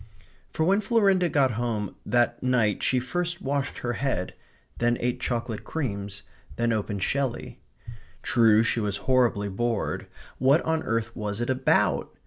For when Florinda got home that night she first washed her head; then ate chocolate creams; then opened Shelley. True, she was horribly bored. What on earth was it ABOUT?